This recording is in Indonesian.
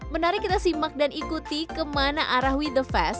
menarik kita simak dan ikuti kemana arah we the fest